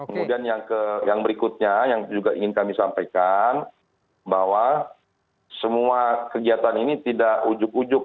kemudian yang berikutnya yang juga ingin kami sampaikan bahwa semua kegiatan ini tidak ujuk ujuk